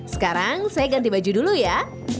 sekarang saya ganti baju dulu ya